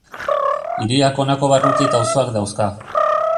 Hiriak honako barruti eta auzoak dauzka.